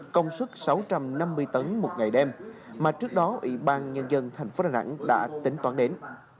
công suất sáu trăm năm mươi tấn một ngày đêm mà trước đó ủy ban nhân dân thành phố đà nẵng đã tính toán đến